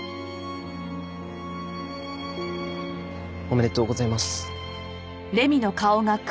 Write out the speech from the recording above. おめでとうございます。